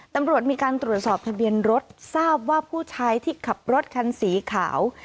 ตำรวจมีการตรวจสอบทะเบียนรถทราบว่าผู้ชายที่ขับรถคันสีขาว